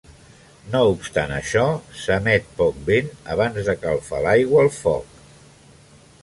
No obstant això, s'emet poc vent abans de calfar l'aigua al foc.